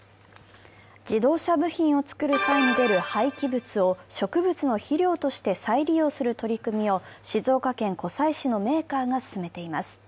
自動車部品を作る際に出る廃棄物を植物の肥料として再利用する取り組みを静岡県湖西市のメーカーが進めています。